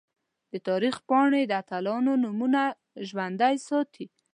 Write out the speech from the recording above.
د تاریخ پاڼې د اتلانو نومونه ژوندۍ ساتي.